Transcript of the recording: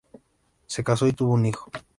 Se casó y tuvo un hijo.